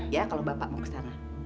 ya kalau bapak mau ke sana